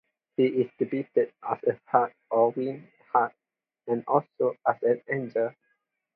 He is depicted as a hart or winged hart, and also as an angel.